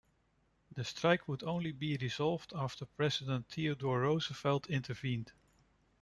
The strike would only be resolved after President Theodore Roosevelt intervened.